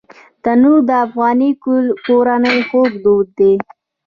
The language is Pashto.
تنور د افغاني کورنۍ خوږ دود دی